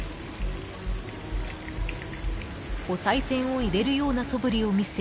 ［おさい銭を入れるようなそぶりを見せ］